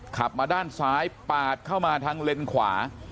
ขับมาด้านซ้ายปาดเข้ามาทางเลนขวา